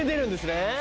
ね